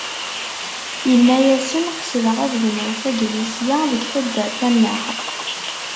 Yenna-yasen qesdeɣ ad bnuɣ taglisya deg taddart-a-nneɣ.